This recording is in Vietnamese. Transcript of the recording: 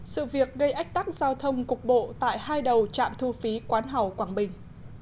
sự việc gây ách tắc giao thông cục bộ tại hai đầu trạm thu phí quán hào quảng bình